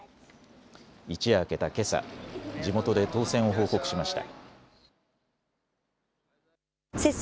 一夜明けたけさ、地元で当選を報告しました。